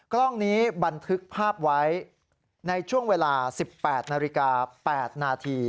กล้องนี้บันทึกภาพไว้ในช่วงเวลา๑๘นาฬิกา๘นาที